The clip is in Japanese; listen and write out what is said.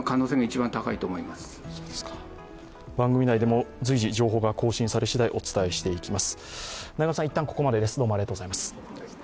番組内でも、随時情報が更新されしだい、お伝えしていきます。